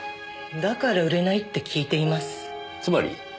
だから売れないって聞いています。